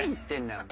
お前。